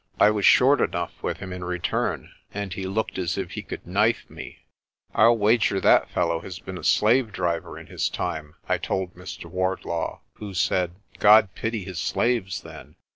I was short enough with him in return, and he looked as if he could knife me. "I'll wager that fellow has been a slave driver in his time," I told Mr Wardlaw, who said, "God pity his slaves, then."